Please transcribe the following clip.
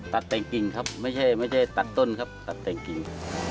ตัดแต่งกิ่งครับไม่ใช่ตัดต้นครับตัดแต่งกิ่ง